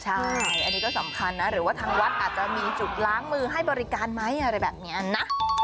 ใช่อันนี้ก็สำคัญนะหรือว่าทางวัดอาจจะมีจุดล้างมือให้บริการไหมอะไรแบบนี้นะ